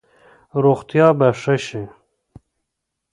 روغتیا به ښه شي.